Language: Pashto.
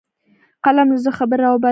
قلم له زړه خبرې راوباسي